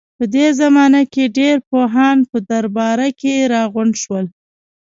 په دې زمانه کې ډېر پوهان په درباره کې راغونډ شول.